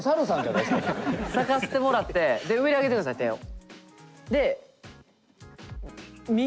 咲かせてもらってで上にあげてください手を。